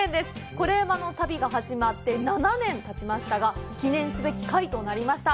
「コレうまの旅」が始まって７年たちましたが、記念すべき回となりました。